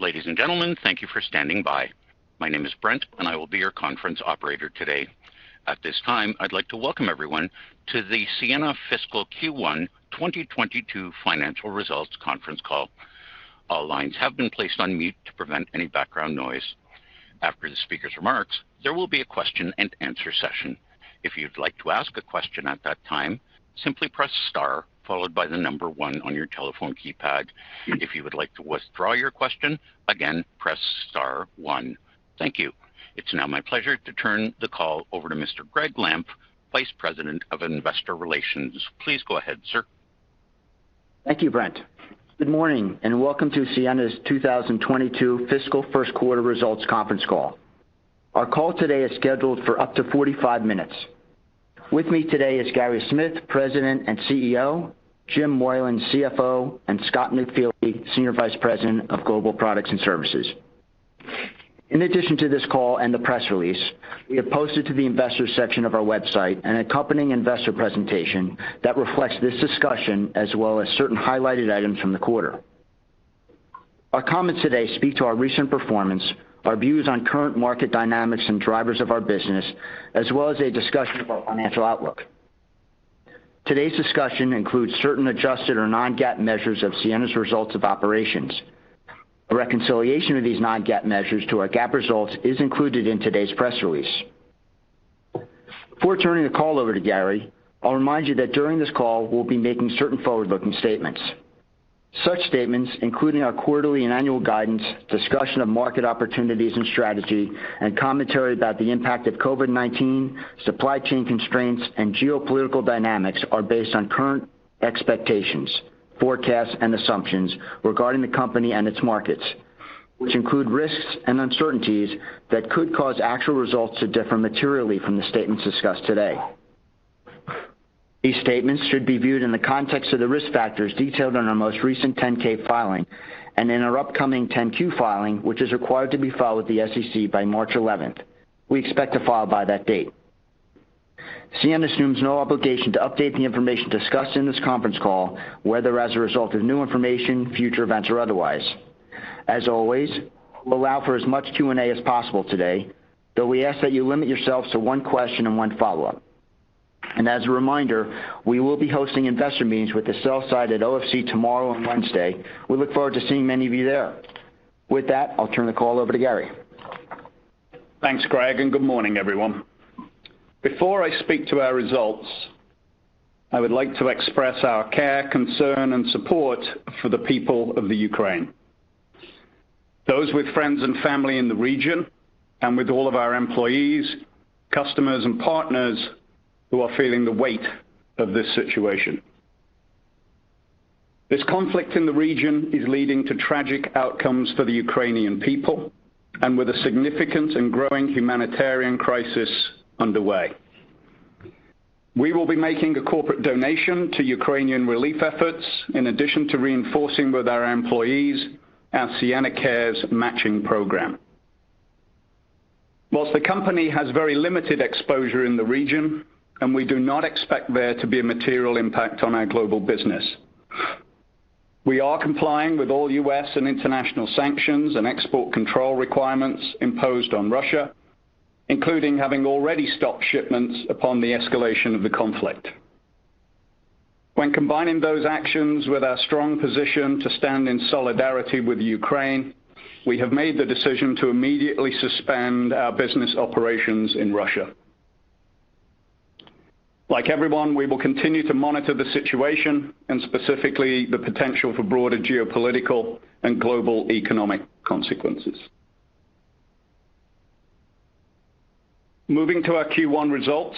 Ladies and gentlemen, thank you for standing by. My name is Brent, and I will be your conference operator today. At this time, I'd like to welcome everyone to the Ciena Fiscal Q1 2022 Financial Results conference call. All lines have been placed on mute to prevent any background noise. After the speaker's remarks, there will be a question-and-answer session. If you'd like to ask a question at that time, simply press star followed by the number one on your telephone keypad. If you would like to withdraw your question, again, press star one. Thank you. It's now my pleasure to turn the call over to Mr. Gregg Lampf, Vice President of Investor Relations. Please go ahead, sir. Thank you, Brent. Good morning, and welcome to Ciena's 2022 fiscal first quarter results conference call. Our call today is scheduled for up to 45 minutes. With me today is Gary Smith, President and CEO, Jim Moylan, CFO, and Scott McFeely, Senior Vice President of Global Products and Services. In addition to this call and the press release, we have posted to the investors section of our website an accompanying investor presentation that reflects this discussion as well as certain highlighted items from the quarter. Our comments today speak to our recent performance, our views on current market dynamics and drivers of our business, as well as a discussion of our financial outlook. Today's discussion includes certain adjusted or non-GAAP measures of Ciena's results of operations. A reconciliation of these non-GAAP measures to our GAAP results is included in today's press release. Before turning the call over to Gary, I'll remind you that during this call we'll be making certain forward-looking statements. Such statements, including our quarterly and annual guidance, discussion of market opportunities and strategy, and commentary about the impact of COVID-19, supply chain constraints, and geopolitical dynamics are based on current expectations, forecasts, and assumptions regarding the company and its markets, which include risks and uncertainties that could cause actual results to differ materially from the statements discussed today. These statements should be viewed in the context of the risk factors detailed in our most recent 10-K filing and in our upcoming 10-Q filing, which is required to be filed with the SEC by March eleventh. We expect to file by that date. Ciena assumes no obligation to update the information discussed in this conference call, whether as a result of new information, future events, or otherwise. As always, we'll allow for as much Q&A as possible today, though we ask that you limit yourselves to one question and one follow-up. As a reminder, we will be hosting investor meetings with the sell side at OFC tomorrow and Wednesday. We look forward to seeing many of you there. With that, I'll turn the call over to Gary. Thanks, Gregg, and good morning, everyone. Before I speak to our results, I would like to express our care, concern, and support for the people of the Ukraine, those with friends and family in the region and with all of our employees, customers and partners who are feeling the weight of this situation. This conflict in the region is leading to tragic outcomes for the Ukrainian people and with a significant and growing humanitarian crisis underway. We will be making a corporate donation to Ukrainian relief efforts in addition to reinforcing with our employees our Ciena Cares matching program. While the company has very limited exposure in the region, and we do not expect there to be a material impact on our global business, we are complying with all U.S. and international sanctions and export control requirements imposed on Russia, including having already stopped shipments upon the escalation of the conflict. When combining those actions with our strong position to stand in solidarity with Ukraine, we have made the decision to immediately suspend our business operations in Russia. Like everyone, we will continue to monitor the situation and specifically the potential for broader geopolitical and global economic consequences. Moving to our Q1 results.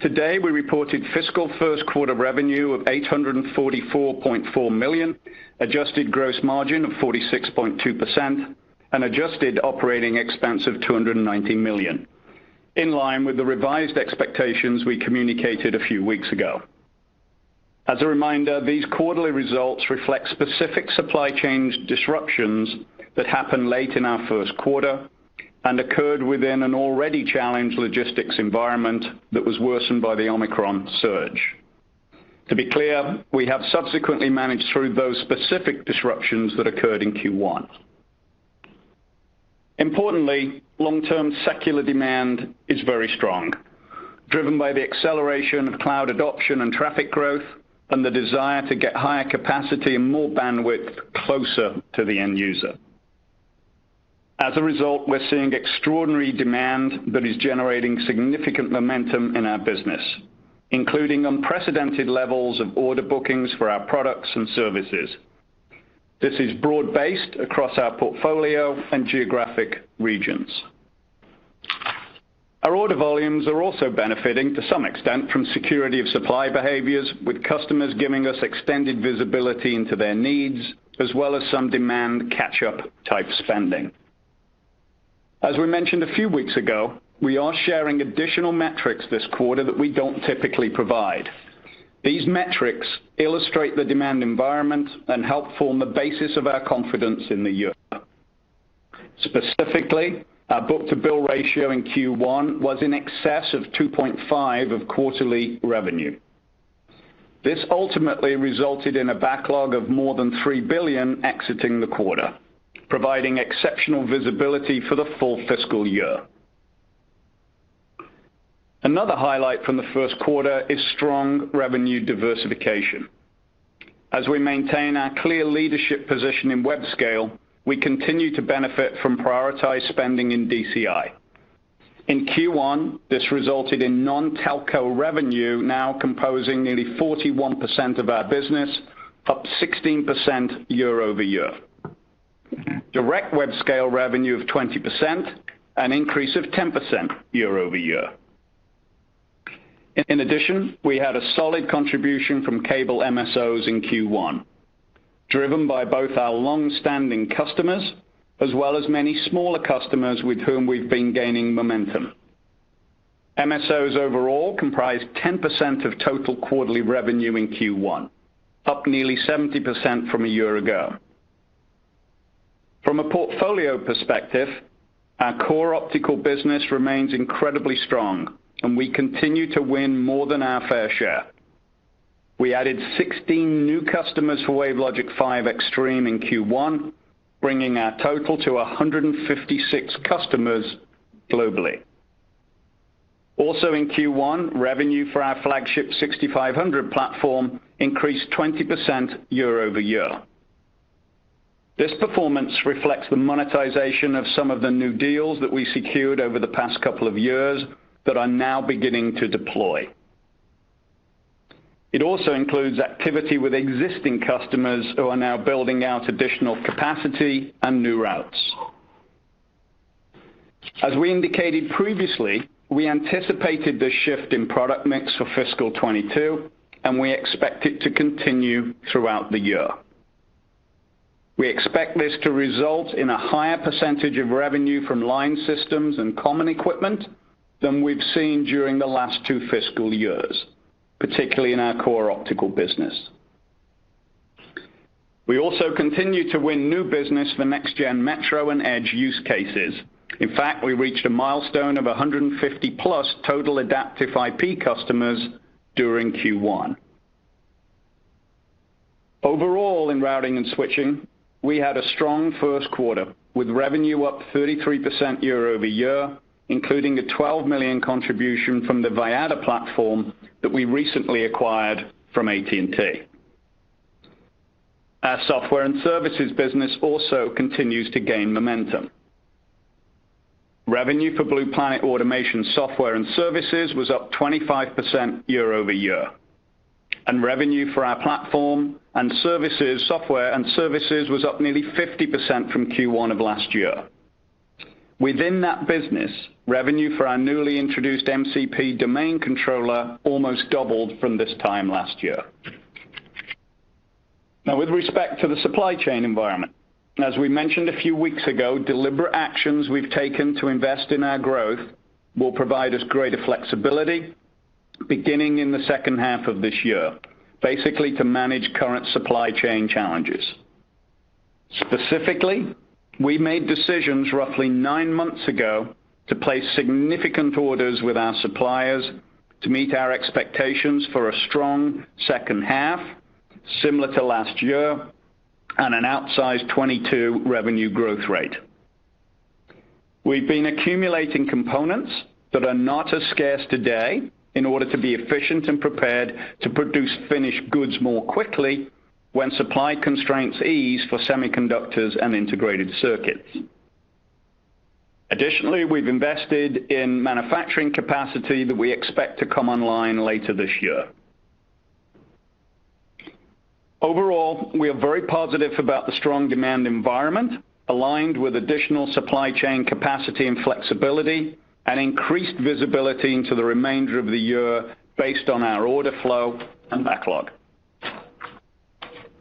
Today, we reported fiscal first quarter revenue of $844.4 million, adjusted gross margin of 46.2% and adjusted operating expense of $290 million, in line with the revised expectations we communicated a few weeks ago. As a reminder, these quarterly results reflect specific supply chain disruptions that happened late in our first quarter and occurred within an already challenged logistics environment that was worsened by the Omicron surge. To be clear, we have subsequently managed through those specific disruptions that occurred in Q1. Importantly, long-term secular demand is very strong, driven by the acceleration of cloud adoption and traffic growth, and the desire to get higher capacity and more bandwidth closer to the end user. As a result, we're seeing extraordinary demand that is generating significant momentum in our business, including unprecedented levels of order bookings for our products and services. This is broad-based across our portfolio and geographic regions. Our order volumes are also benefiting to some extent from security of supply behaviors, with customers giving us extended visibility into their needs as well as some demand catch-up type spending. As we mentioned a few weeks ago, we are sharing additional metrics this quarter that we don't typically provide. These metrics illustrate the demand environment and help form the basis of our confidence in the year. Specifically, our book-to-bill ratio in Q1 was in excess of 2.5 of quarterly revenue. This ultimately resulted in a backlog of more than $3 billion exiting the quarter, providing exceptional visibility for the full fiscal year. Another highlight from the first quarter is strong revenue diversification. As we maintain our clear leadership position in web-scale, we continue to benefit from prioritized spending in DCI. In Q1, this resulted in non-telco revenue now composing nearly 41% of our business, up 16% year-over-year. Direct web-scale revenue of 20%, an increase of 10% year-over-year. In addition, we had a solid contribution from cable MSOs in Q1, driven by both our long-standing customers as well as many smaller customers with whom we've been gaining momentum. MSOs overall comprised 10% of total quarterly revenue in Q1, up nearly 70% from a year ago. From a portfolio perspective, our core optical business remains incredibly strong, and we continue to win more than our fair share. We added 16 new customers for WaveLogic 5 Extreme in Q1, bringing our total to 156 customers globally. Also in Q1, revenue for our flagship 6500 platform increased 20% year-over-year. This performance reflects the monetization of some of the new deals that we secured over the past couple of years that are now beginning to deploy. It also includes activity with existing customers who are now building out additional capacity and new routes. As we indicated previously, we anticipated the shift in product mix for fiscal 2022, and we expect it to continue throughout the year. We expect this to result in a higher percentage of revenue from line systems and common equipment than we've seen during the last two fiscal years, particularly in our core optical business. We also continue to win new business for next-gen metro and edge use cases. In fact, we reached a milestone of 150+ total Adaptive IP customers during Q1. Overall, in routing and switching, we had a strong first quarter, with revenue up 33% year-over-year, including a $12 million contribution from the Vyatta platform that we recently acquired from AT&T. Our software and services business also continues to gain momentum. Revenue for Blue Planet automation software and services was up 25% year-over-year, and revenue for our platform and services, software and services was up nearly 50% from Q1 of last year. Within that business, revenue for our newly introduced MCP domain controller almost doubled from this time last year. Now, with respect to the supply chain environment, as we mentioned a few weeks ago, deliberate actions we've taken to invest in our growth will provide us greater flexibility beginning in the second half of this year, basically to manage current supply chain challenges. Specifically, we made decisions roughly nine months ago to place significant orders with our suppliers to meet our expectations for a strong second half, similar to last year, and an outsized 22% revenue growth rate. We've been accumulating components that are not as scarce today in order to be efficient and prepared to produce finished goods more quickly when supply constraints ease for semiconductors and integrated circuits. Additionally, we've invested in manufacturing capacity that we expect to come online later this year. Overall, we are very positive about the strong demand environment, aligned with additional supply chain capacity and flexibility and increased visibility into the remainder of the year based on our order flow and backlog.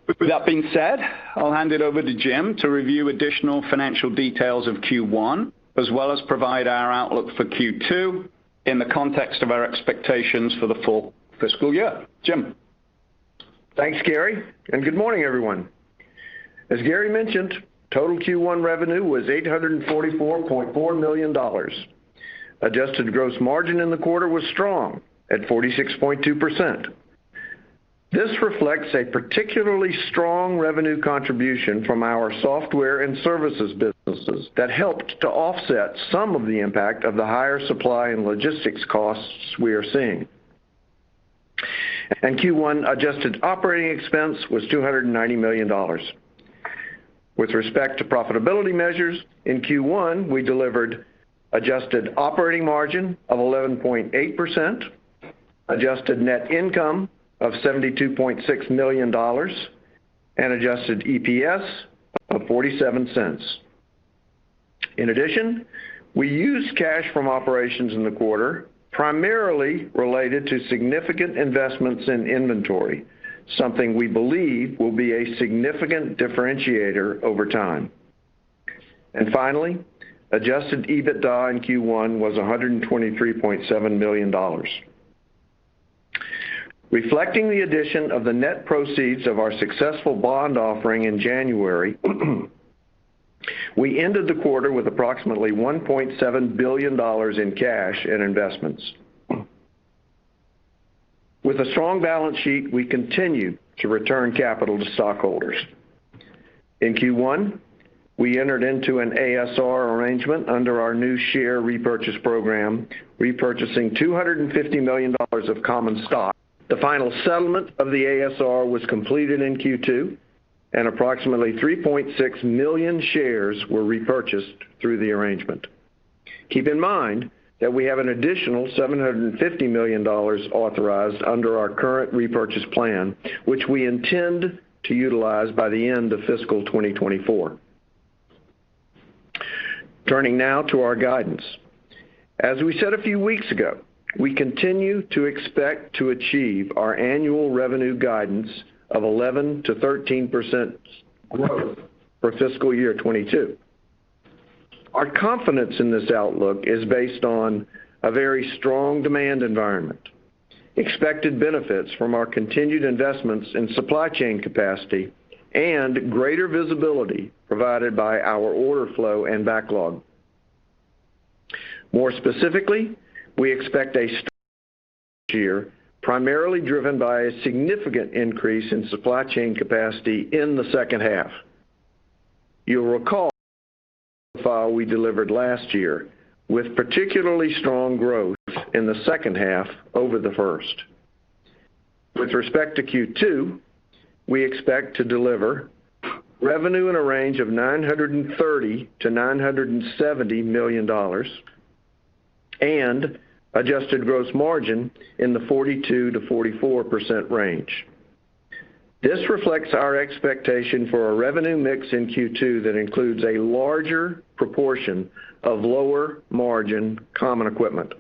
With that being said, I'll hand it over to Jim to review additional financial details of Q1, as well as provide our outlook for Q2 in the context of our expectations for the full fiscal year. Jim. Thanks, Gary, and good morning, everyone. As Gary mentioned, total Q1 revenue was $844.4 million. Adjusted gross margin in the quarter was strong at 46.2%. This reflects a particularly strong revenue contribution from our software and services businesses that helped to offset some of the impact of the higher supply and logistics costs we are seeing. Q1 adjusted operating expense was $290 million. With respect to profitability measures, in Q1, we delivered adjusted operating margin of 11.8%, adjusted net income of $72.6 million, and adjusted EPS of $0.47. In addition, we used cash from operations in the quarter primarily related to significant investments in inventory, something we believe will be a significant differentiator over time. Finally, adjusted EBITDA in Q1 was $123.7 million. Reflecting the addition of the net proceeds of our successful bond offering in January, we ended the quarter with approximately $1.7 billion in cash and investments. With a strong balance sheet, we continue to return capital to stockholders. In Q1, we entered into an ASR arrangement under our new share repurchase program, repurchasing $250 million of common stock. The final settlement of the ASR was completed in Q2, and approximately 3.6 million shares were repurchased through the arrangement. Keep in mind that we have an additional $750 million authorized under our current repurchase plan, which we intend to utilize by the end of fiscal 2024. Turning now to our guidance. As we said a few weeks ago, we continue to expect to achieve our annual revenue guidance of 11%-13% growth for fiscal year 2022. Our confidence in this outlook is based on a very strong demand environment, expected benefits from our continued investments in supply chain capacity, and greater visibility provided by our order flow and backlog. More specifically, we expect a strong year, primarily driven by a significant increase in supply chain capacity in the second half. You'll recall the profile we delivered last year, with particularly strong growth in the second half over the first. With respect to Q2, we expect to deliver revenue in a range of $930 million-$970 million and adjusted gross margin in the 42%-44% range. This reflects our expectation for a revenue mix in Q2 that includes a larger proportion of lower margin common equipment.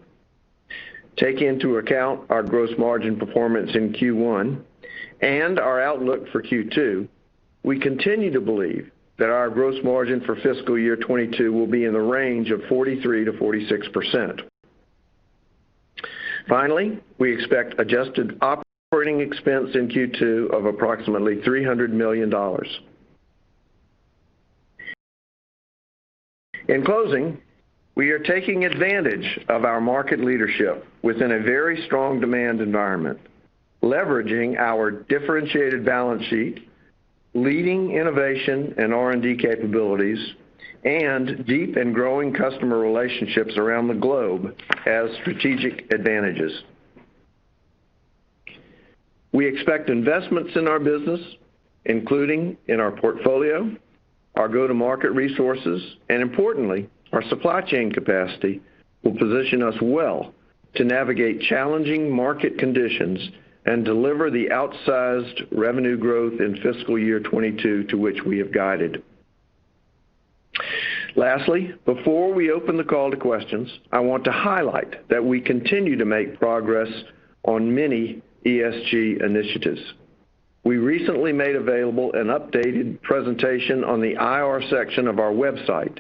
Taking into account our gross margin performance in Q1 and our outlook for Q2, we continue to believe that our gross margin for fiscal year 2022 will be in the range of 43%-46%. Finally, we expect adjusted operating expense in Q2 of approximately $300 million. In closing, we are taking advantage of our market leadership within a very strong demand environment, leveraging our differentiated balance sheet, leading innovation and R&D capabilities, and deep and growing customer relationships around the globe as strategic advantages. We expect investments in our business, including in our portfolio, our go-to-market resources, and importantly, our supply chain capacity, will position us well to navigate challenging market conditions and deliver the outsized revenue growth in fiscal year 2022 to which we have guided. Lastly, before we open the call to questions, I want to highlight that we continue to make progress on many ESG initiatives. We recently made available an updated presentation on the IR section of our website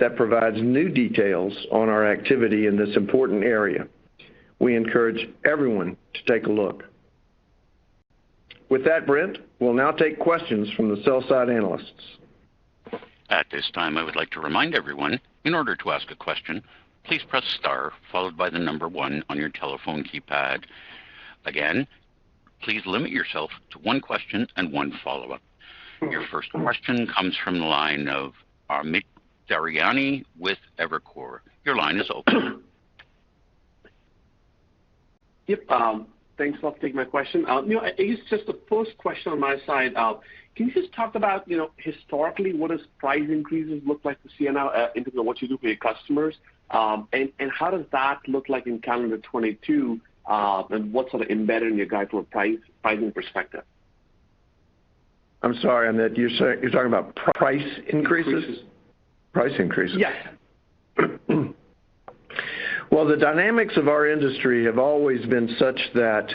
that provides new details on our activity in this important area. We encourage everyone to take a look. With that, Brent, we'll now take questions from the sell side analysts. At this time, I would like to remind everyone, in order to ask a question, please press star followed by the number one on your telephone keypad. Again, please limit yourself to one question and one follow-up. Your first question comes from the line of Amit Daryanani with Evercore. Your line is open. Yep, thanks a lot for taking my question. You know, I guess just the first question on my side, can you just talk about, you know, historically, what do price increases look like that you see in terms of what you do for your customers? And how does that look like in calendar 2022, and what's sort of embedded in your guide from a pricing perspective? I'm sorry, Amit, you're talking about price increases? Increases. Price increases? Yes. Well, the dynamics of our industry have always been such that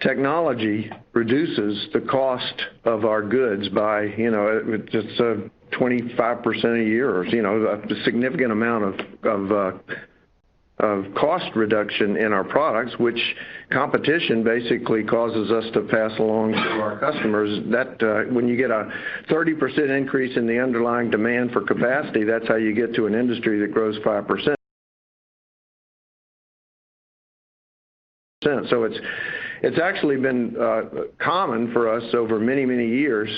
technology reduces the cost of our goods by, you know, just 25% a year or, you know, a significant amount of cost reduction in our products, which competition basically causes us to pass along to our customers. That, when you get a 30% increase in the underlying demand for capacity, that's how you get to an industry that grows 5%. It's actually been common for us over many years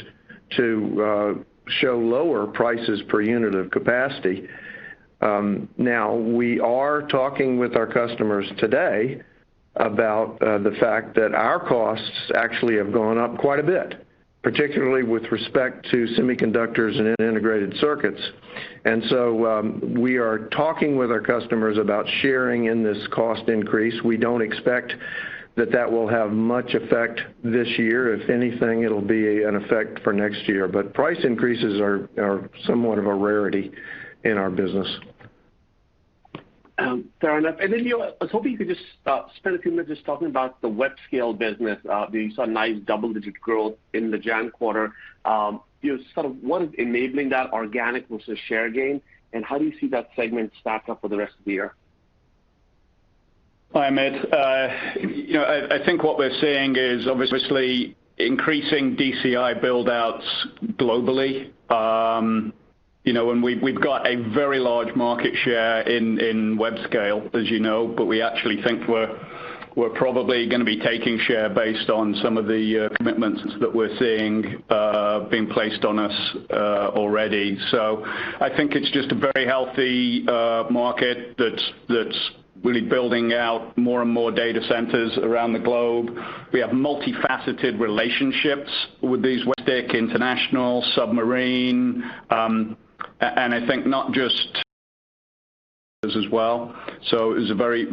to show lower prices per unit of capacity. Now, we are talking with our customers today about the fact that our costs actually have gone up quite a bit, particularly with respect to semiconductors and integrated circuits. We are talking with our customers about sharing in this cost increase. We don't expect that will have much effect this year. If anything, it'll be an effect for next year. Price increases are somewhat of a rarity in our business. Fair enough. You know, I was hoping you could just spend a few minutes just talking about the web-scale business. You saw nice double-digit growth in the January quarter. You know, sort of what is enabling that organic versus share gain, and how do you see that segment stack up for the rest of the year? Hi, Amit. You know, I think what we're seeing is obviously increasing DCI build-outs globally. You know, we've got a very large market share in web-scale, as you know, but we actually think we're probably gonna be taking share based on some of the commitments that we're seeing being placed on us already. I think it's just a very healthy market that's really building out more and more data centers around the globe. We have multifaceted relationships with these web-scale, international, submarine, and I think not just as well. It's a very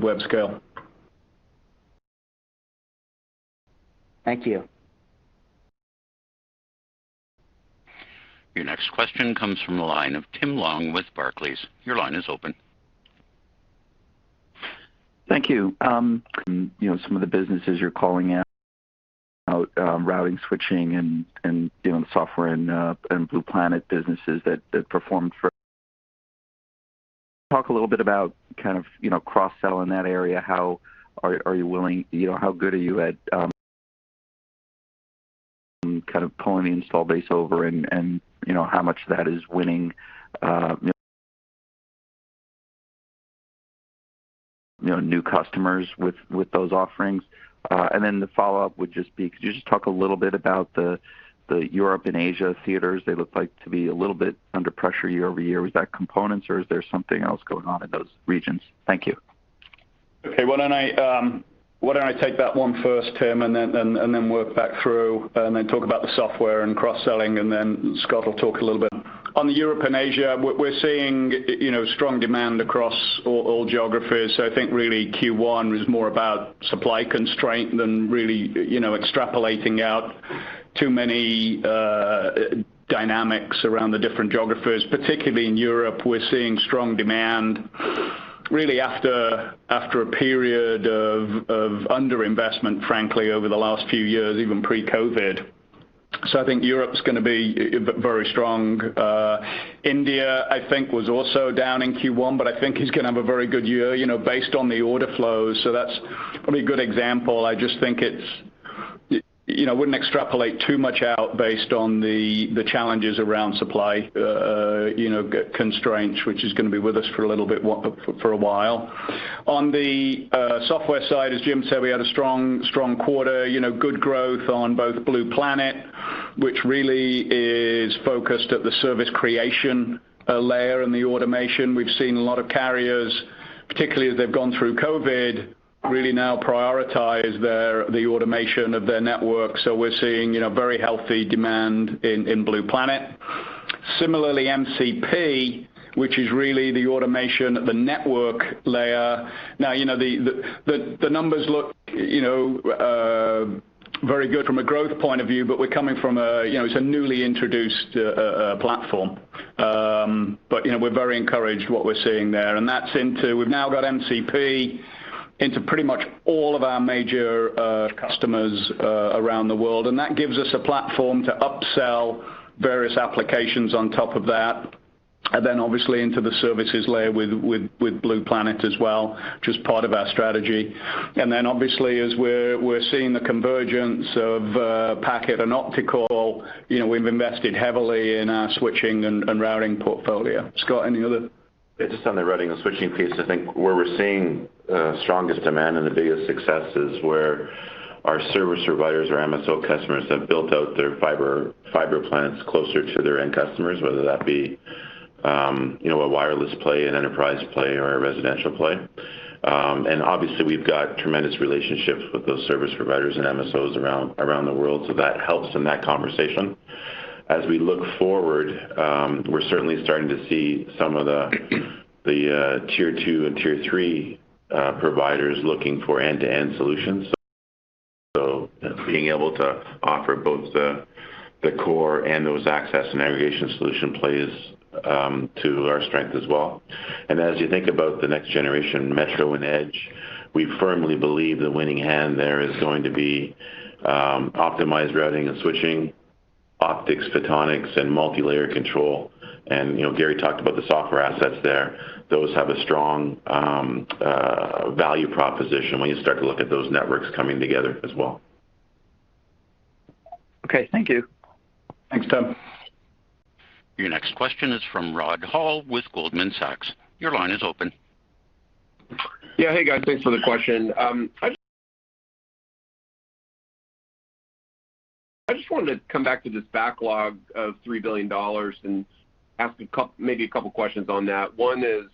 web-scale. Thank you. Your next question comes from the line of Tim Long with Barclays. Your line is open. Thank you. You know, some of the businesses you're calling out, routing, switching and you know, software and Blue Planet businesses. Talk a little bit about kind of, you know, cross-sell in that area. You know, how good are you at kind of pulling the installed base over and you know, how much that is winning you know, new customers with those offerings? The follow-up would just be, could you just talk a little bit about the Europe and Asia theaters? They look like to be a little bit under pressure year-over-year. Was that components or is there something else going on in those regions? Thank you. Why don't I take that one first, Tim, and then work back through and then talk about the software and cross-selling, and then Scott will talk a little bit. On Europe and Asia, we're seeing, you know, strong demand across all geographies. I think really Q1 was more about supply constraint than really, you know, extrapolating out too many dynamics around the different geographies. Particularly in Europe, we're seeing strong demand really after a period of underinvestment, frankly, over the last few years, even pre-COVID. I think Europe's gonna be very strong. India, I think, was also down in Q1, but I think is gonna have a very good year, you know, based on the order flows. That's probably a good example. I just think it's, you know, wouldn't extrapolate too much out based on the challenges around supply constraints, which is gonna be with us for a little bit for a while. On the software side, as Jim said, we had a strong quarter. You know, good growth on both Blue Planet, which really is focused at the service creation layer and the automation. We've seen a lot of carriers, particularly as they've gone through COVID, really now prioritize the automation of their network. So we're seeing, you know, very healthy demand in Blue Planet. Similarly, MCP, which is really the automation at the network layer. Now, you know, the numbers look, you know, very good from a growth point of view, but we're coming from a newly introduced platform. You know, we're very encouraged what we're seeing there. We've now got MCP into pretty much all of our major customers around the world, and that gives us a platform to upsell various applications on top of that. Obviously into the services layer with Blue Planet as well, which is part of our strategy. Obviously, as we're seeing the convergence of packet and optical, you know, we've invested heavily in our switching and routing portfolio. Scott, any other? Yeah, just on the routing and switching piece, I think where we're seeing strongest demand and the biggest success is where our service providers or MSO customers have built out their fiber plants closer to their end customers, whether that be a wireless play, an enterprise play, or a residential play. Obviously we've got tremendous relationships with those service providers and MSOs around the world, so that helps in that conversation. As we look forward, we're certainly starting to see some of the Tier-2 and Tier-3 providers looking for end-to-end solutions. Being able to offer both the core and those access and aggregation solution plays to our strength as well. As you think about the next generation Metro and Edge, we firmly believe the winning hand there is going to be optimized routing and switching, optics, photonics, and multilayer control. You know, Gary talked about the software assets there. Those have a strong value proposition when you start to look at those networks coming together as well. Okay. Thank you. Thanks, Tim. Your next question is from Rod Hall with Goldman Sachs. Your line is open. Hey, guys. Thanks for the question. I just wanted to come back to this backlog of $3 billion and ask maybe a couple of questions on that. One is,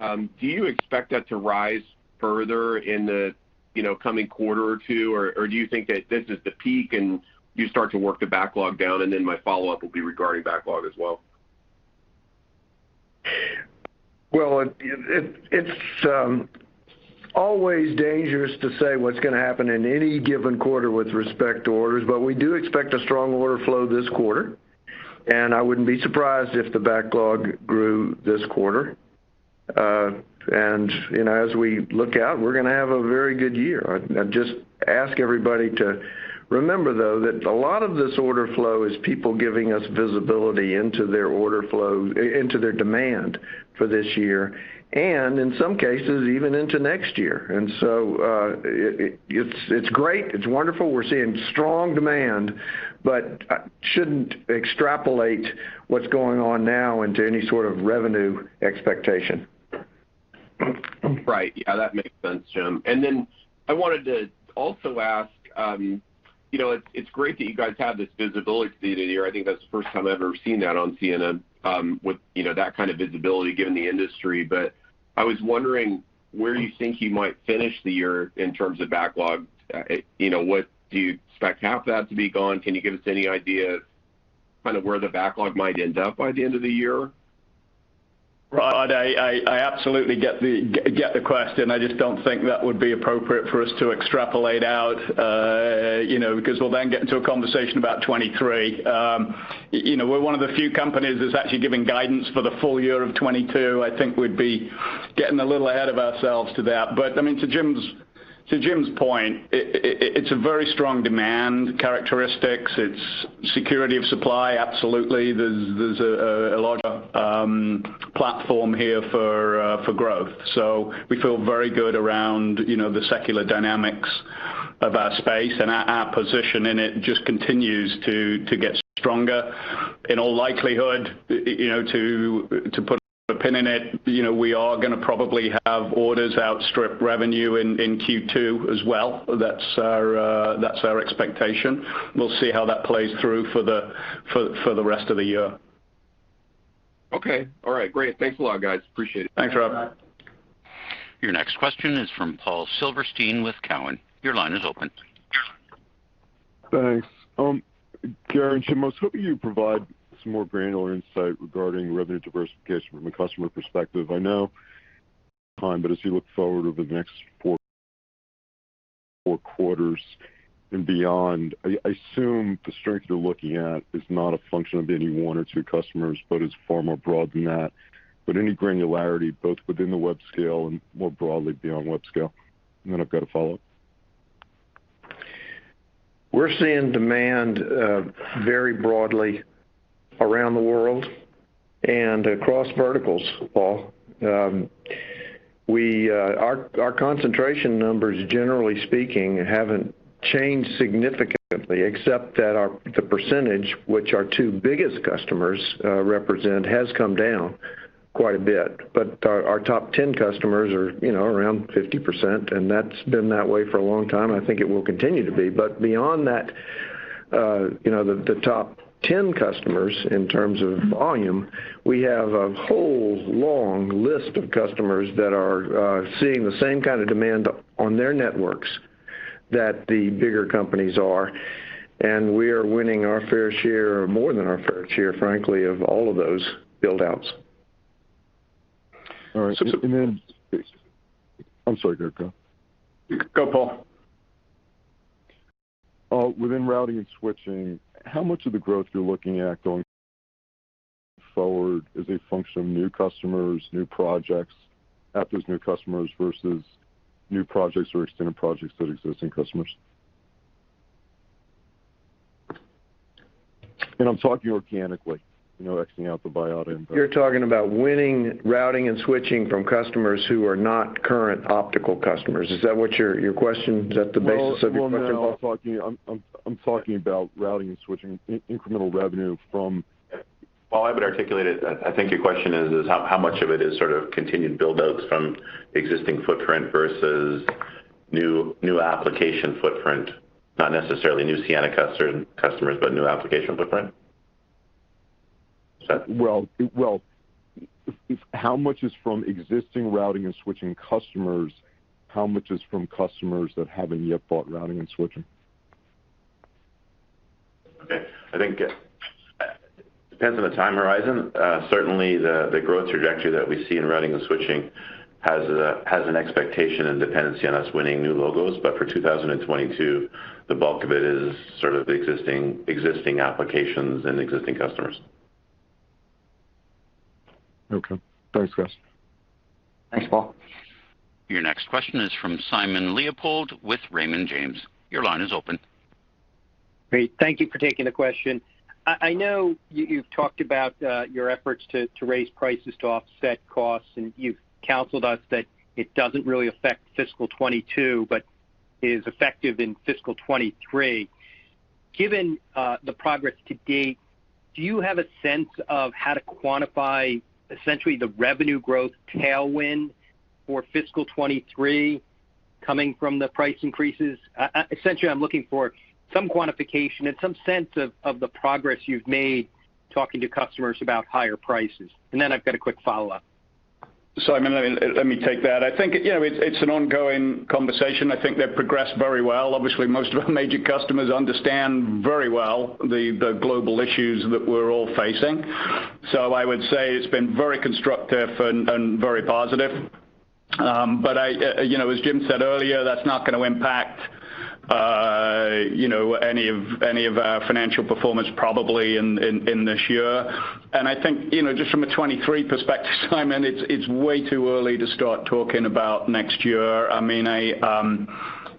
do you expect that to rise further in the, you know, coming quarter or two, or do you think that this is the peak and you start to work the backlog down? Then my follow-up will be regarding backlog as well. Well, it's always dangerous to say what's gonna happen in any given quarter with respect to orders, but we do expect a strong order flow this quarter, and I wouldn't be surprised if the backlog grew this quarter. You know, as we look out, we're gonna have a very good year. I just ask everybody to remember, though, that a lot of this order flow is people giving us visibility into their order flow, into their demand for this year, and in some cases, even into next year. It's great. It's wonderful. We're seeing strong demand, but shouldn't extrapolate what's going on now into any sort of revenue expectation. Right. Yeah, that makes sense, Jim. I wanted to also ask, you know, it's great that you guys have this visibility into the year. I think that's the first time I've ever seen that on Ciena, with, you know, that kind of visibility given the industry. I was wondering where you think you might finish the year in terms of backlog. You know, what do you expect half of that to be gone? Can you give us any idea kind of where the backlog might end up by the end of the year? Right. I absolutely get the question. I just don't think that would be appropriate for us to extrapolate out, you know, because we'll then get into a conversation about 2023. You know, we're one of the few companies that's actually giving guidance for the full year of 2022. I think we'd be getting a little ahead of ourselves to that. I mean, to Jim's point, it's a very strong demand characteristics. It's security of supply, absolutely. There's a larger platform here for growth. We feel very good around, you know, the secular dynamics of our space, and our position in it just continues to get stronger. In all likelihood, you know, to put a pin in it, you know, we are gonna probably have orders outstrip revenue in Q2 as well. That's our expectation. We'll see how that plays through for the rest of the year. Okay. All right, great. Thanks a lot, guys. Appreciate it. Thanks, Rod. Your next question is from Paul Silverstein with Cowen. Your line is open. Thanks. Gary and Jim, I was hoping you could provide some more granular insight regarding revenue diversification from a customer perspective. I know time, but as you look forward over the next four quarters and beyond, I assume the strength you're looking at is not a function of any one or two customers, but is far more broad than that. Any granularity, both within the web-scale and more broadly beyond web-scale? I've got a follow-up. We're seeing demand very broadly around the world and across verticals, Paul. Our concentration numbers, generally speaking, haven't changed significantly except that the percentage which our two biggest customers represent has come down quite a bit. Our top 10 customers are, you know, around 50%, and that's been that way for a long time. I think it will continue to be. Beyond that, you know, the top 10 customers in terms of volume, we have a whole long list of customers that are seeing the same kind of demand on their networks that the bigger companies are, and we are winning our fair share or more than our fair share, frankly, of all of those buildouts. All right. I'm sorry, go. Go, Paul. Within routing and switching, how much of the growth you're looking at going forward is a function of new customers, new projects at those new customers versus new projects or extended projects that exist in customers? I'm talking organically, you know, ex-Vyatta. You're talking about winning routing and switching from customers who are not current optical customers. Is that what your question is? Is that the basis of your question, Paul? Well, I'm talking about routing and switching incremental revenue from- Paul, I would articulate it. I think your question is how much of it is sort of continued buildouts from existing footprint versus new application footprint. Not necessarily new Ciena customers, but new application footprint. Is that- Well, how much is from existing routing and switching customers? How much is from customers that haven't yet bought routing and switching? Okay. I think it depends on the time horizon. Certainly the growth trajectory that we see in routing and switching has an expectation and dependency on us winning new logos. For 2022, the bulk of it is sort of existing applications and existing customers. Okay. Thanks, guys. Thanks, Paul. Your next question is from Simon Leopold with Raymond James. Your line is open. Great. Thank you for taking the question. I know you've talked about your efforts to raise prices to offset costs, and you've counseled us that it doesn't really affect fiscal 2022, but is effective in fiscal 2023. Given the progress to date, do you have a sense of how to quantify essentially the revenue growth tailwind for fiscal 2023 coming from the price increases? Essentially, I'm looking for some quantification and some sense of the progress you've made talking to customers about higher prices. I've got a quick follow-up. Simon, let me take that. I think, you know, it's an ongoing conversation. I think they've progressed very well. Obviously, most of our major customers understand very well the global issues that we're all facing. I would say it's been very constructive and very positive. I, you know, as Jim said earlier, that's not gonna impact You know, any of our financial performance probably in this year. I think, you know, just from a 2023 perspective, Simon, it's way too early to start talking about next year. I mean,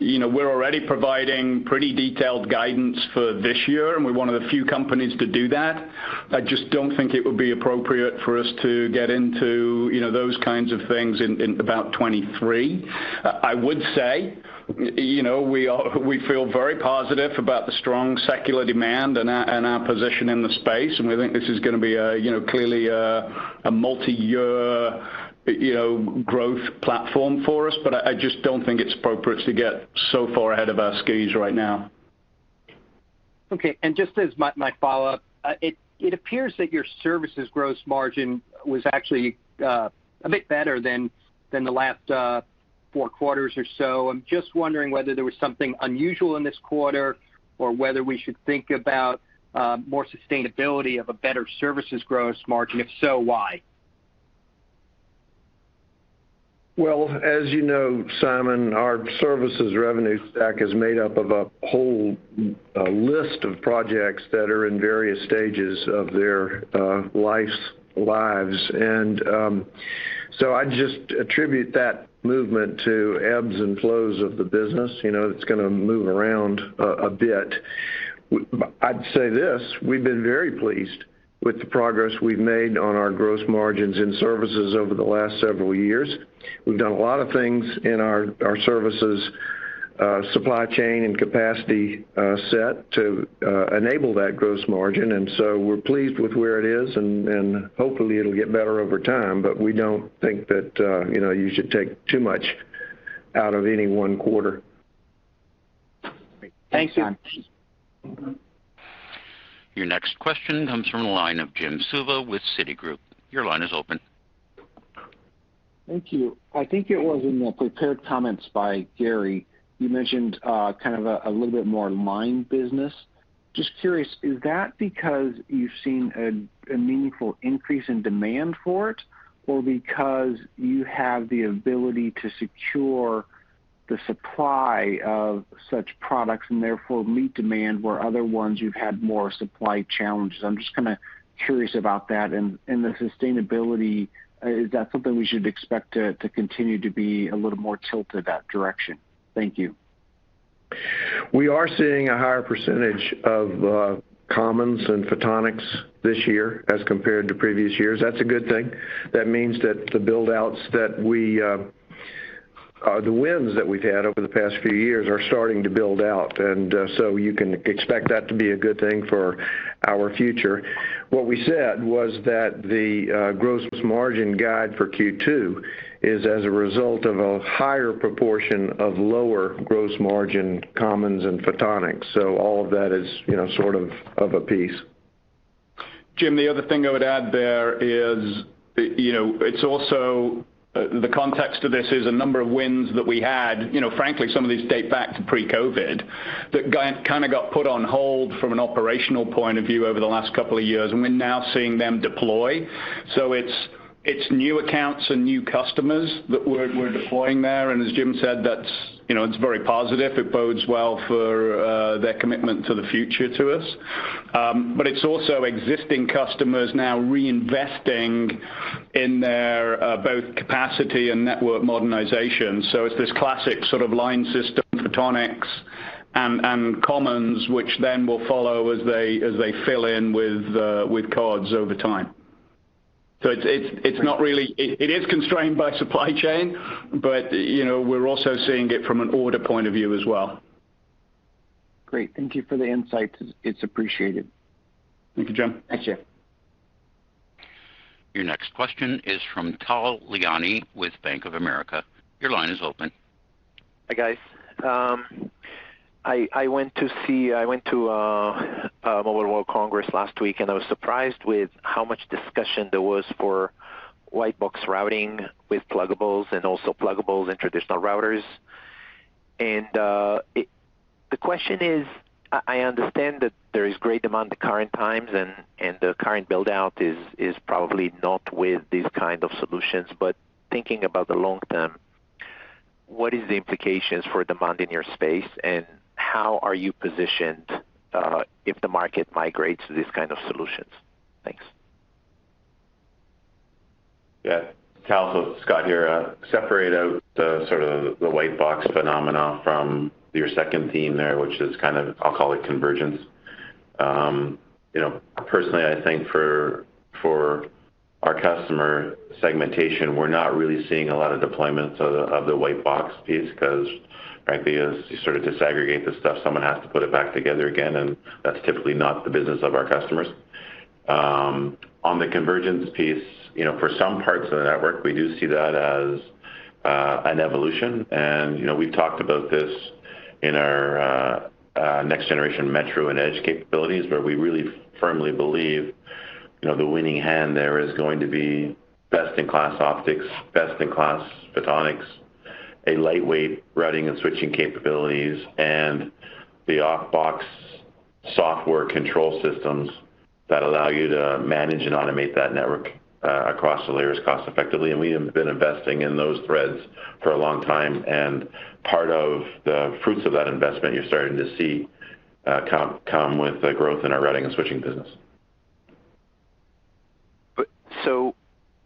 you know, we're already providing pretty detailed guidance for this year, and we're one of the few companies to do that. I just don't think it would be appropriate for us to get into, you know, those kinds of things in about 2023. I would say, you know, we feel very positive about the strong secular demand and our position in the space, and we think this is gonna be a, you know, clearly a multiyear growth platform for us. But I just don't think it's appropriate to get so far ahead of our skis right now. Okay. Just as my follow-up, it appears that your services gross margin was actually a bit better than the last four quarters or so. I'm just wondering whether there was something unusual in this quarter or whether we should think about more sustainability of a better services gross margin. If so, why? Well, as you know, Simon, our services revenue stack is made up of a whole list of projects that are in various stages of their lives. I'd just attribute that movement to ebbs and flows of the business. You know, it's gonna move around a bit. I'd say this, we've been very pleased with the progress we've made on our gross margins in services over the last several years. We've done a lot of things in our services supply chain and capacity set to enable that gross margin, and so we're pleased with where it is, and hopefully it'll get better over time. But we don't think that you should take too much out of any one quarter. Great. Thank you. Thanks, Simon. Your next question comes from the line of Jim Suva with Citigroup. Your line is open. Thank you. I think it was in the prepared comments by Gary, you mentioned kind of a little bit more line business. Just curious, is that because you've seen a meaningful increase in demand for it or because you have the ability to secure the supply of such products, and therefore meet demand where other ones you've had more supply challenges? I'm just kinda curious about that and the sustainability, is that something we should expect to continue to be a little more tilt to that direction? Thank you. We are seeing a higher percentage of commons and photonics this year as compared to previous years. That's a good thing. That means that the wins that we've had over the past few years are starting to build out. You can expect that to be a good thing for our future. What we said was that the gross margin guide for Q2 is as a result of a higher proportion of lower gross margin commons and photonics. All of that is, you know, sort of a piece. Jim, the other thing I would add there is, you know, it's also the context of this is a number of wins that we had. You know, frankly, some of these date back to pre-COVID that kinda got put on hold from an operational point of view over the last couple of years, and we're now seeing them deploy. It's new accounts and new customers that we're deploying there. As Jim said, that's, you know, it's very positive. It bodes well for their commitment to the future to us. But it's also existing customers now reinvesting in their both capacity and network modernization. It's this classic sort of line system, photonics and commons, which then will follow as they fill in with cards over time. It's not really. It is constrained by supply chain, but you know, we're also seeing it from an order point of view as well. Great. Thank you for the insights. It's appreciated. Thank you, Jim. Thanks, Jim. Your next question is from Tal Liani with Bank of America. Your line is open. Hi, guys. I went to a Mobile World Congress last week, and I was surprised with how much discussion there was for white box routing with pluggables and also pluggables and traditional routers. The question is, I understand that there is great demand at current times and the current build-out is probably not with these kind of solutions. Thinking about the long term, what is the implications for demand in your space, and how are you positioned if the market migrates to these kind of solutions? Thanks. Yeah, Tal. Scott here. Separate out the sort of the white box phenomenon from your second theme there, which is kind of, I'll call it convergence. You know, personally, I think for our customer segmentation, we're not really seeing a lot of deployments of the white box piece 'cause the idea is you sort of disaggregate the stuff, someone has to put it back together again, and that's typically not the business of our customers. On the convergence piece, you know, for some parts of the network, we do see that as an evolution. You know, we've talked about this in our next generation metro and edge capabilities, where we really firmly believe the winning hand there is going to be best-in-class optics, best-in-class photonics, a lightweight routing and switching capabilities, and The off-box software control systems that allow you to manage and automate that network across the layers cost effectively. We have been investing in those threads for a long time, and part of the fruits of that investment you're starting to see come with the growth in our routing and switching business.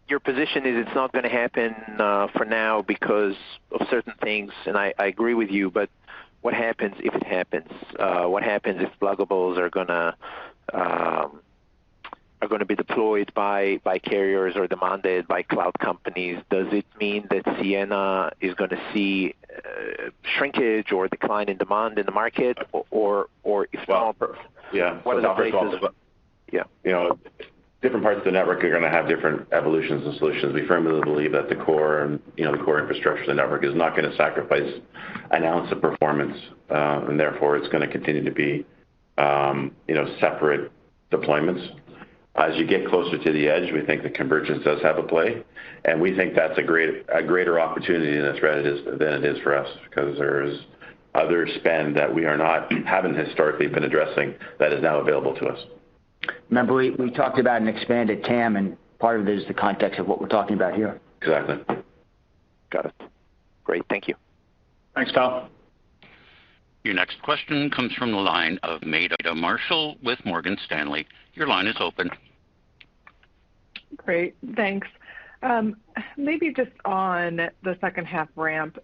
Your position is it's not gonna happen for now because of certain things. I agree with you, but what happens if it happens? What happens if pluggables are gonna be deployed by carriers or demanded by cloud companies? Does it mean that Ciena is gonna see shrinkage or decline in demand in the market or if Yeah. You know, different parts of the network are gonna have different evolutions and solutions. We firmly believe that the core and, you know, the core infrastructure of the network is not gonna sacrifice an ounce of performance, and therefore, it's gonna continue to be, you know, separate deployments. As you get closer to the edge, we think the convergence does have a play, and we think that's a greater opportunity in this area than it is for us because there's other spend that we haven't historically been addressing that is now available to us. Remember, we talked about an expanded TAM, and part of it is the context of what we're talking about here. Exactly. Got it. Great. Thank you. Thanks, Tal. Your next question comes from the line of Meta Marshall with Morgan Stanley. Your line is open. Great. Thanks. Maybe just on the second half ramp,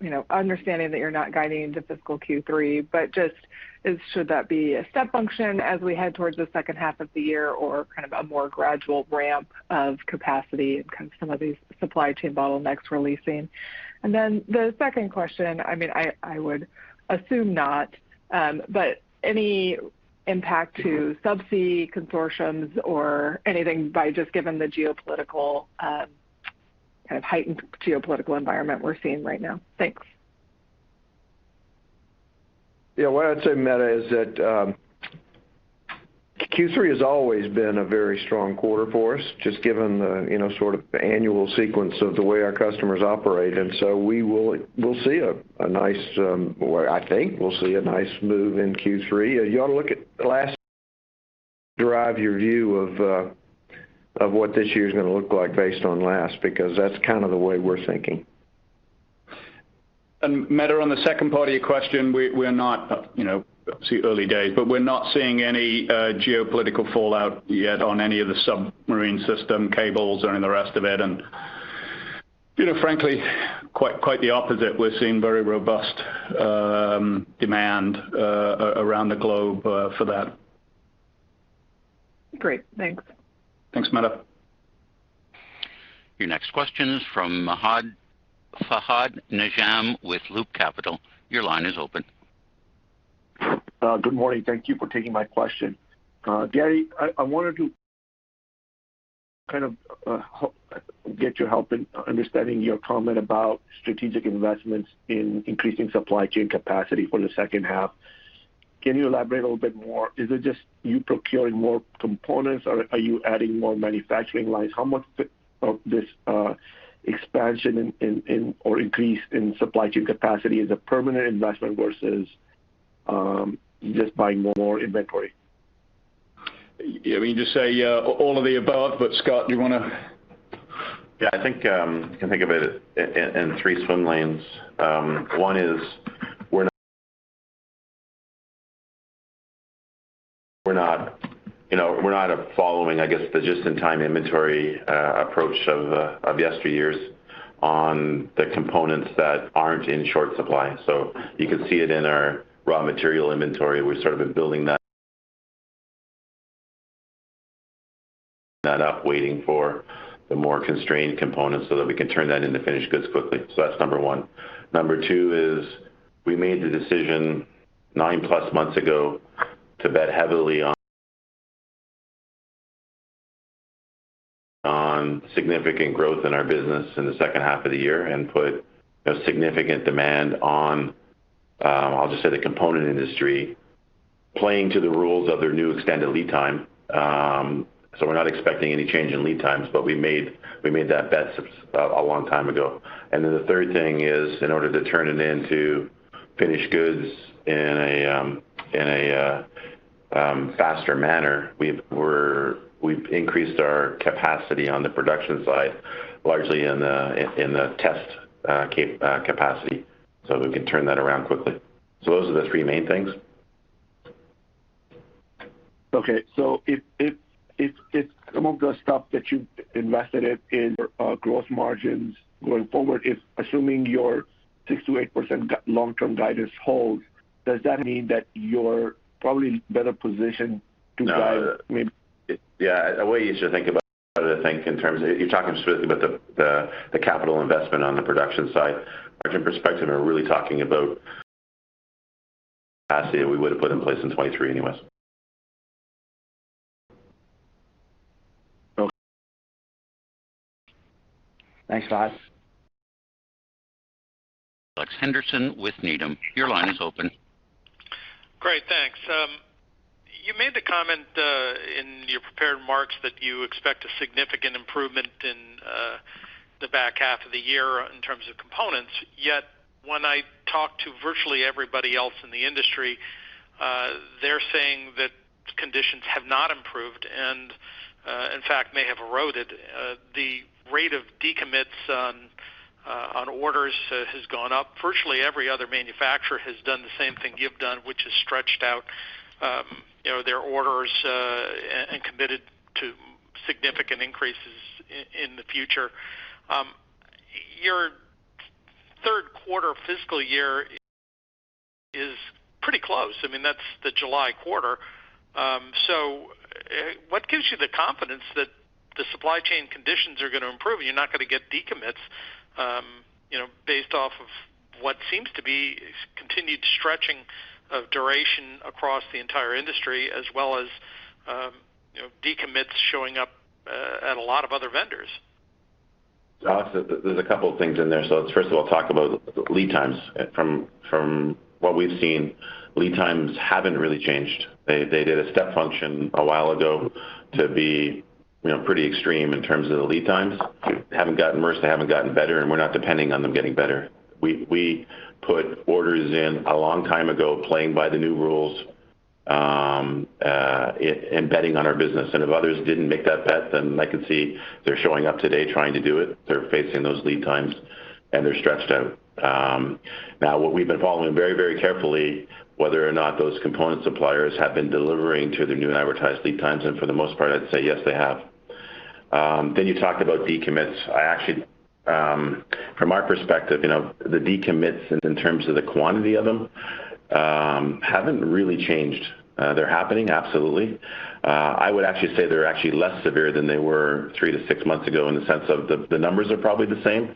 you know, understanding that you're not guiding into fiscal Q3, but should that be a step function as we head towards the second half of the year or kind of a more gradual ramp of capacity and kind of some of these supply chain bottlenecks releasing? Then the second question, I mean, I would assume not, but any impact to subsea consortia or anything but just given the geopolitical, kind of heightened geopolitical environment we're seeing right now? Thanks. Yeah. What I'd say, Meta, is that Q3 has always been a very strong quarter for us, just given the, you know, sort of annual sequence of the way our customers operate. I think we'll see a nice move in Q3. You ought to look at last year to derive your view of what this year's gonna look like based on last year, because that's kind of the way we're thinking. Meta, on the second part of your question, we're not, you know, obviously early days, but we're not seeing any geopolitical fallout yet on any of the submarine system cables or any of the rest of it. You know, frankly, quite the opposite. We're seeing very robust demand around the globe for that. Great. Thanks. Thanks, Meta. Your next question is from Fahad Najam with Loop Capital. Your line is open. Good morning. Thank you for taking my question. Gary, I wanted to kind of get your help in understanding your comment about strategic investments in increasing supply chain capacity for the second half. Can you elaborate a little bit more? Is it just you procuring more components, or are you adding more manufacturing lines? How much of this expansion or increase in supply chain capacity is a permanent investment versus just buying more inventory? Yeah. I mean, just say, all of the above, but Scott, do you wanna... Yeah, I think you can think of it in three swim lanes. One is we're not, you know, following, I guess, the just-in-time inventory approach of yesteryears on the components that aren't in short supply. You can see it in our raw material inventory. We've sort of been building that up, waiting for the more constrained components so that we can turn that into finished goods quickly. That's number one. Number two is we made the decision 9+ months ago to bet heavily on significant growth in our business in the second half of the year and put a significant demand on, I'll just say, the component industry playing to the rules of their new extended lead time. We're not expecting any change in lead times, but we made that bet a long time ago. The third thing is, in order to turn it into finished goods in a faster manner, we've increased our capacity on the production side, largely in the test capacity, so we can turn that around quickly. Those are the three main things. If some of the stuff that you've invested in growth margins going forward, assuming your 6%-8% long-term guidance holds, does that mean that you're probably better positioned to guide maybe? Yeah. A way you should think about it, think in terms of you're talking specifically about the capital investment on the production side. Margin perspective, we're really talking about capacity that we would have put in place in 2023 anyway. Okay. Thanks a lot. Alex Henderson with Needham. Your line is open. Great. Thanks. You made the comment, in your prepared remarks that you expect a significant improvement in, the back half of the year in terms of components. Yet when I talk to virtually everybody else in the industry, they're saying that conditions have not improved and, in fact, may have eroded. The rate of decommits on orders has gone up. Virtually every other manufacturer has done the same thing you've done, which is stretched out, you know, their orders, and committed to significant increases in the future. Your third quarter fiscal year is pretty close. I mean, that's the July quarter. What gives you the confidence that the supply chain conditions are gonna improve, and you're not gonna get decommits, you know, based off of what seems to be continued stretching of duration across the entire industry as well as, you know, decommits showing up at a lot of other vendors? Alex, there's a couple of things in there. Let's first of all talk about lead times. From what we've seen, lead times haven't really changed. They did a step function a while ago to be, you know, pretty extreme in terms of the lead times. They haven't gotten worse, they haven't gotten better, and we're not depending on them getting better. We put orders in a long time ago playing by the new rules, and betting on our business. If others didn't make that bet, then I can see they're showing up today trying to do it. They're facing those lead times, and they're stretched out. Now what we've been following very, very carefully, whether or not those component suppliers have been delivering to their new and advertised lead times, and for the most part, I'd say yes, they have. You talked about decommits. I actually, from our perspective, you know, the decommits in terms of the quantity of them, haven't really changed. They're happening, absolutely. I would actually say they're actually less severe than they were three to six months ago in the sense of the numbers are probably the same.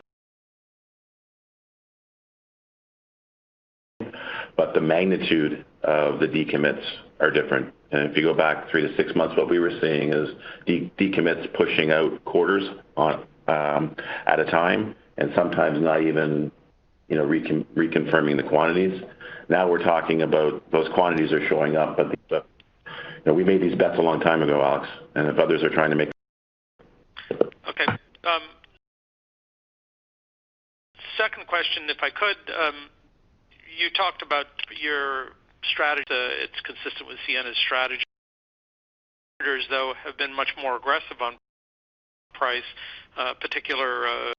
The magnitude of the decommits are different. If you go back three to six months, what we were seeing is decommits pushing out quarters at a time and sometimes not even, you know, reconfirming the quantities. Now we're talking about those quantities are showing up, but, you know, we made these bets a long time ago, Alex, and if others are trying to make Okay. Second question, if I could. You talked about your strategy. It's consistent with Ciena's strategy. Competitors, though, have been much more aggressive on price, particularly,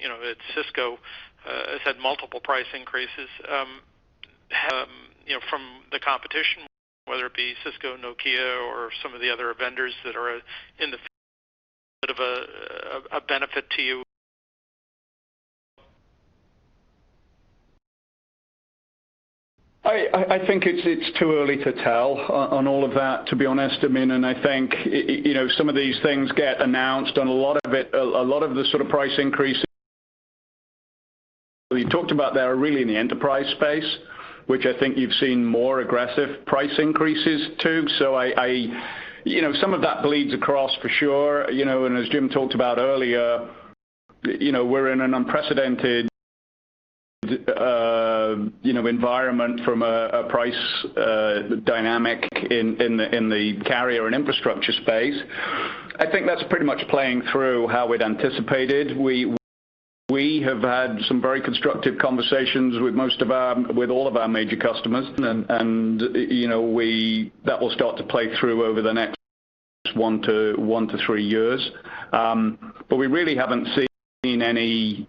you know, that Cisco has had multiple price increases. Have you benefited, you know, from the competition, whether it be Cisco, Nokia or some of the other vendors? Is that a bit of a benefit to you? I think it's too early to tell on all of that, to be honest. I mean, I think you know, some of these things get announced, and a lot of it, a lot of the sort of price increases you talked about there are really in the enterprise space, which I think you've seen more aggressive price increases to. I you know, some of that bleeds across for sure. You know, as Jim talked about earlier, you know, we're in an unprecedented environment from a price dynamic in the carrier and infrastructure space. I think that's pretty much playing through how we'd anticipated. We have had some very constructive conversations with all of our major customers. You know, that will start to play through over the next one to three years. We really haven't seen any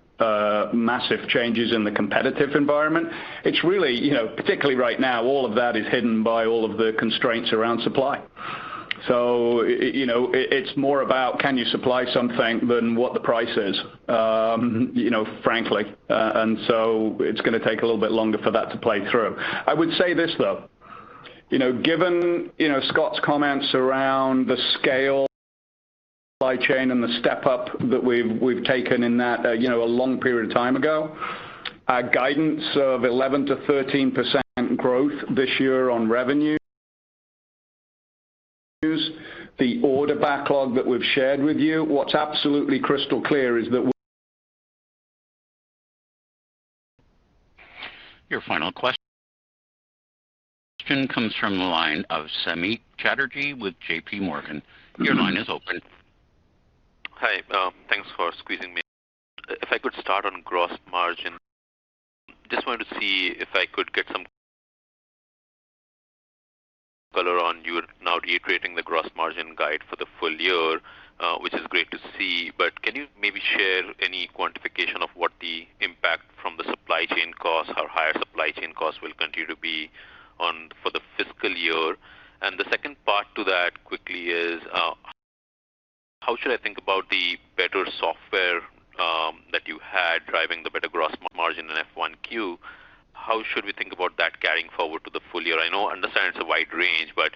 massive changes in the competitive environment. It's really, you know, particularly right now, all of that is hidden by all of the constraints around supply. You know, it's more about can you supply something than what the price is, you know, frankly. It's gonna take a little bit longer for that to play through. I would say this, though. You know, given, you know, Scott's comments around the scale supply chain and the step up that we've taken in that, you know, a long period of time ago, our guidance of 11%-13% growth this year on revenue, the order backlog that we've shared with you, what's absolutely crystal clear is that we... Your final question comes from the line of Samik Chatterjee with JPMorgan. Your line is open. Hi. Thanks for squeezing me in. If I could start on gross margin, just wanted to see if I could get some color on, you're now reiterating the gross margin guide for the full year, which is great to see. Can you maybe share any quantification of what the impact from the supply chain costs or higher supply chain costs will continue to be on for the fiscal year? The second part to that quickly is, how should I think about the better software, that you had driving the better gross margin in F1Q? How should we think about that carrying forward to the full year? I know, I understand it's a wide range, but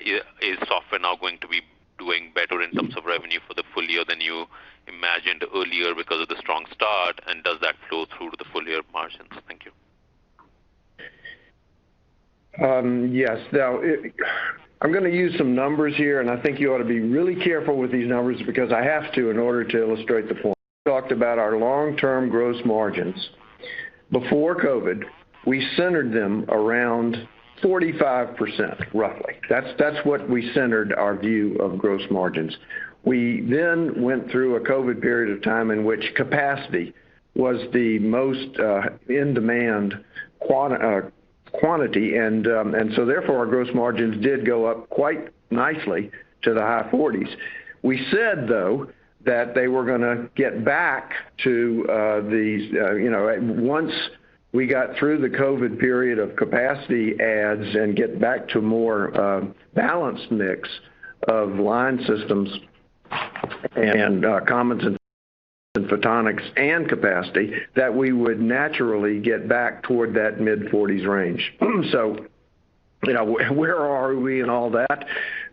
is software now going to be doing better in terms of revenue for the full year than you imagined earlier because of the strong start? Does that flow through to the full year margins? Thank you. Yes. Now, it I'm gonna use some numbers here, and I think you ought to be really careful with these numbers because I have to in order to illustrate the point. We talked about our long-term gross margins. Before COVID, we centered them around 45%, roughly. That's what we centered our view of gross margins. We then went through a COVID period of time in which capacity was the most in demand quantity. Therefore, our gross margins did go up quite nicely to the high 40s. We said, though, that they were gonna get back to once we got through the COVID period of capacity adds and get back to more balanced mix of line systems and commons and photonics and capacity, that we would naturally get back toward that mid-40s range. You know, where are we in all that?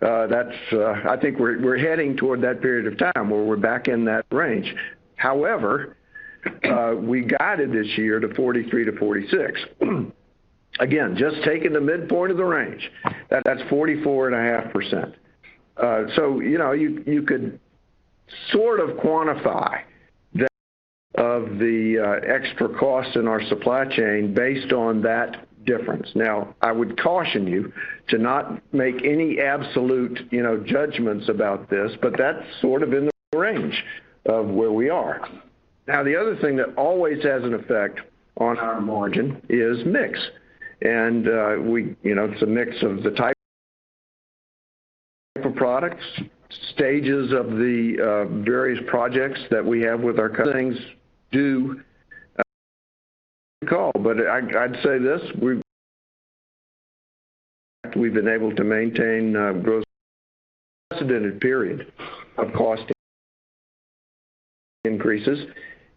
I think we're heading toward that period of time where we're back in that range. However, we guided this year to 43%-46%. Again, just taking the midpoint of the range, that's 44.5%. You know, you could sort of quantify that of the extra cost in our supply chain based on that difference. Now, I would caution you to not make any absolute, you know, judgments about this, but that's sort of in the range of where we are. Now, the other thing that always has an effect on our margin is mix. You know, it's a mix of the type of products, stages of the various projects that we have with our customers do call. I'd say this, we've been able to maintain gross margin despite cost increases.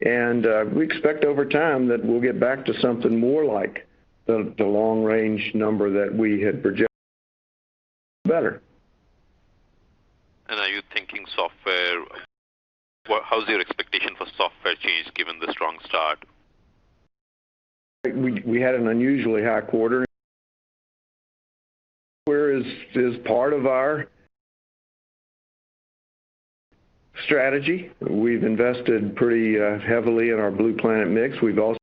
We expect over time that we'll get back to something more like the long range number that we had projected better. How's your expectation for software change given the strong start? We had an unusually high quarter. This is part of our strategy. We've invested pretty heavily in our Blue Planet mix. We've also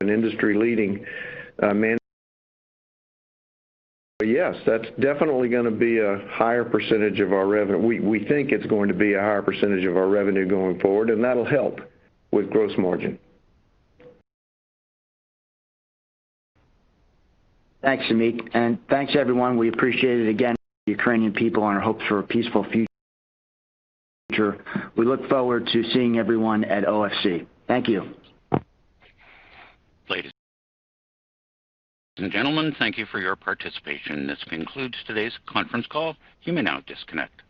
an industry-leading. Yes, that's definitely gonna be a higher percentage of our revenue. We think it's going to be a higher percentage of our revenue going forward, and that'll help with gross margin. Thanks, Amit, and thanks, everyone. We appreciate it. Again, the Ukrainian people and our hopes for a peaceful future. We look forward to seeing everyone at OFC. Thank you. Ladies and gentlemen, thank you for your participation. This concludes today's conference call. You may now disconnect.